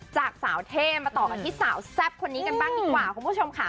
จากสาวเท่มาต่อกันที่สาวแซ่บคนนี้กันบ้างดีกว่าคุณผู้ชมค่ะ